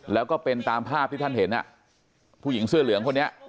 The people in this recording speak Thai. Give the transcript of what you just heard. แล้วก็เป็นตามภาพที่ท่านเห็นผู้หญิงเสื้อเหลืองคนนี้